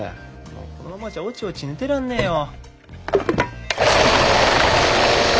もうこのままじゃおちおち寝てらんねえよ。